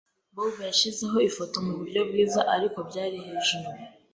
Bob yashyizeho ifoto muburyo bwiza, ariko byari hejuru.